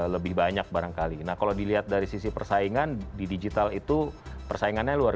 lebih banyak barangkali nah kalau dilihat dari sisi persaingan di digital itu persaingannya luar